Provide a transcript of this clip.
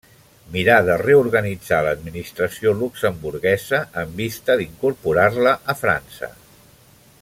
Mirà de reorganitzar l'administració luxemburguesa en vista d'incorporar-la a França.